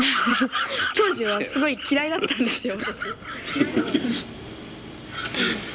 当時はすごい嫌いだったんですよ私。